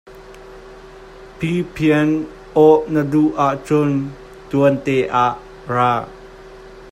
Phiphen awh na duh ahcun tuan ah ra.